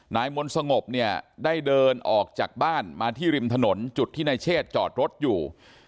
นายมนต์สงบเนี่ยได้เดินออกจากบ้านมาที่ริมถนนจุดที่นายเชษจอดรถอยู่